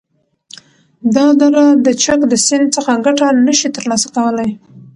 دا دره د چک د سیند څخه گټه نشی تر لاسه کولای،